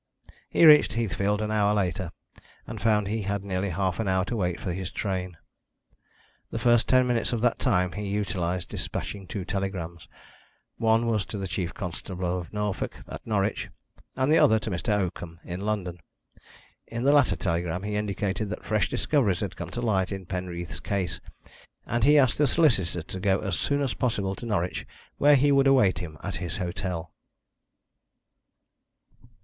He reached Heathfield an hour later, and found he had nearly half an hour to wait for his train. The first ten minutes of that time he utilised despatching two telegrams. One was to the chief constable of Norfolk, at Norwich, and the other to Mr. Oakham, in London. In the latter telegram he indicated that fresh discoveries had come to light in Penreath's case, and he asked the solicitor to go as soon as possible to Norwich where he would await him at his hotel.